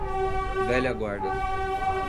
velha guarda